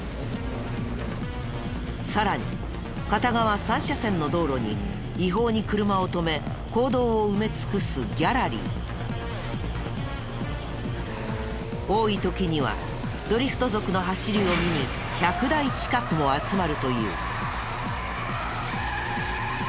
さらに片側三車線の道路に違法に車を止め公道を埋め尽くす多い時にはドリフト族の走りを見に１００台近くも集まるという。